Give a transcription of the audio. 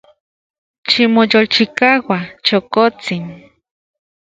Ximoyolchikaua, chokotsin.